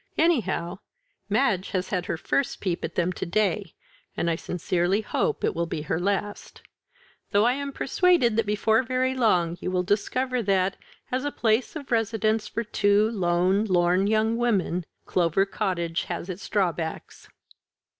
Anyhow, Madge has had her first peep at them to day, and I sincerely hope it will be her last; though I am persuaded that before very long you will discover that, as a place of residence for two lone, lorn young women. Clover Cottage has its drawbacks."